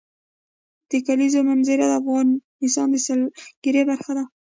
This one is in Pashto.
د کلیزو منظره د افغانستان د سیلګرۍ برخه ده.